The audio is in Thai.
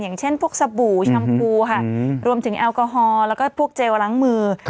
อย่างเช่นพวกสบู่แชมพูค่ะรวมถึงแอลกอฮอล์แล้วก็พวกเจลล้างมือ